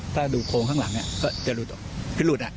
ถ้าดูโครงข้างหลังก็จะลุดออก